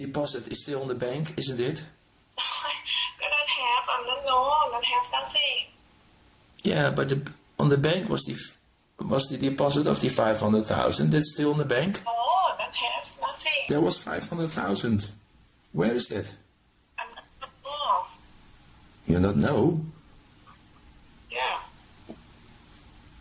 ผมต้องตอบผมไม่รู้รักผมต้องตอบ